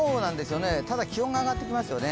ただ、気温が上がってきますよね